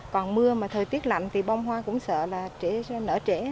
còn mưa mà thời tiết lạnh thì bông hoa cũng sợ là nở trễ